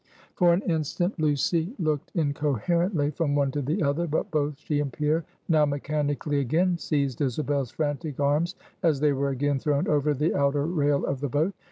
For an instant, Lucy looked incoherently from one to the other. But both she and Pierre now mechanically again seized Isabel's frantic arms, as they were again thrown over the outer rail of the boat.